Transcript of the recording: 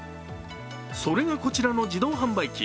それがこちらの自動販売機。